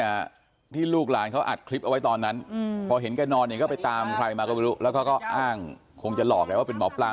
เยอะที่ลูกหลานเขาอัดคลิปเอาไว้ตอนนั้นพอเห็นกายนอนอยู่ก็ไปตามใครมาก็ไม่รู้แล้วก็ก็อ้างคงจะหลอกก็เป็นหมอพลา